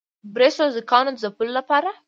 بریسټو د سیکهانو د ځپلو لپاره.